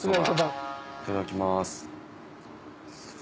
いただきます。